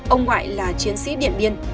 ông ngoại là chiến sĩ điện biên